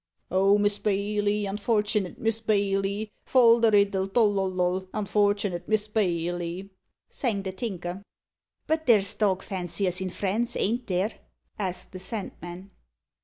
"Oh! Miss Bailey, unfortinate Miss Bailey! Fol de riddle tol ol lol unfortinate Miss Bailey!" sang the Tinker. "But there's dog fanciers in France, ain't there?" asked the Sandman.